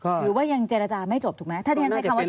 ถือว่ายังเจรจาไม่จบถูกไหมถ้าเมียใช้คำว่าเจรจา